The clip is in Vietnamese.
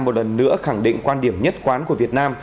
một lần nữa khẳng định quan điểm nhất quán của việt nam